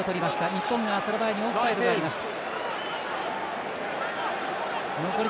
日本が、その前にオフサイドがありました。